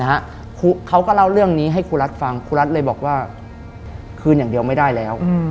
เขาก็เล่าเรื่องนี้ให้ครูรัฐฟังครูรัฐเลยบอกว่าคืนอย่างเดียวไม่ได้แล้ว